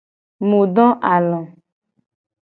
Mu do alo.